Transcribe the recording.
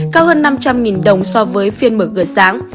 cao hơn năm trăm linh đồng so với phiên mở cửa sáng